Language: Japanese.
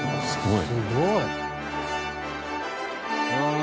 すごい！